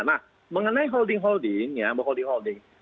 nah mengenai holding holding ya mbak holding holding